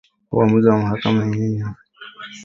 Uamuzi wa mahakama hiyo yenye wahafidhina wengi